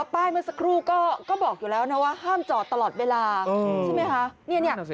ป้ายเมื่อสักครู่ก็บอกอยู่แล้วนะว่าห้ามจอดตลอดเวลาใช่ไหมคะ